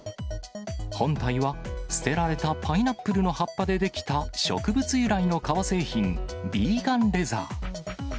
本体は、捨てられたパイナップルの葉っぱで出来た植物由来の革製品、ビーガンレザー。